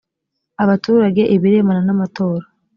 abaturage ibirebana n amatora